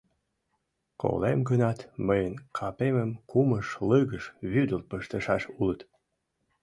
Колем гынат, мыйын капемым кумыж лыгыш вӱдыл пыштышаш улыт.